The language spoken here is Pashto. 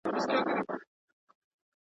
نازو ته لاس ورکړه او ښکلې زرغونه ویښه کړه